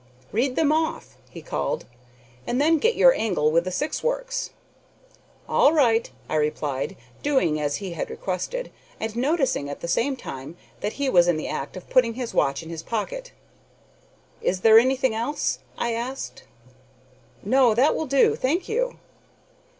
"Read them off," he called, "and then get your angle with the Syx works." "All right," I replied, doing as he had requested, and noticing at the same time that he was in the act of putting his watch in his pocket. "Is there anything else?" I asked. "No, that will do, thank you."